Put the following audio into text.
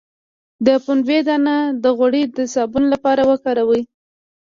د پنبې دانه غوړي د صابون لپاره وکاروئ